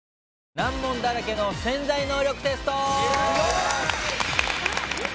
難問だらけの『潜在能力テスト』！